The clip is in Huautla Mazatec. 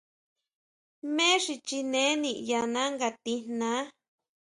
Jmé xi chineé niʼyaná nga tijnaá.